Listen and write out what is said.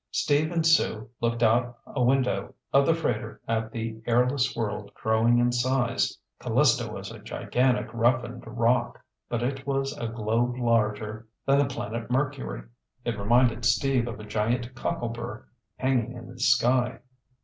Steve and Sue looked out a window of the freighter at the airless world growing in size. Callisto was a gigantic roughened rock, but it was a globe larger than the planet Mercury. It reminded Steve of a giant cockle burr hanging in the sky.